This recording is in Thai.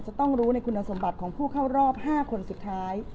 จะต้องรู้ในคุณสมบัติของผู้เข้ารอบ๕คนสุดท้าย